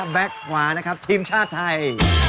แก๊กขวานะครับทีมชาติไทย